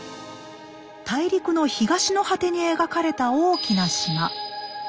大陸の東の果てに描かれた大きな島。